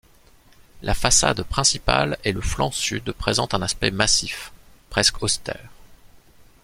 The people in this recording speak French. La façade principale et le flanc sud présentent un aspect massif, presque austère.